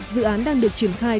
dự án đang được triển khai